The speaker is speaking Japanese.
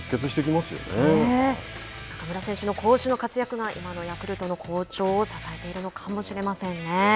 中村選手の攻守の活躍が今のヤクルトの好調を支えているのかもしれませんね。